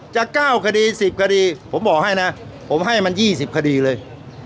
จะเก้าคดีสิบคดีผมบอกให้นะผมให้มันยี่สิบคดีเลย